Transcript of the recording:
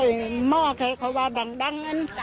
โอ้มาว่ากะแค่เขาว่าบังดังอันนั้น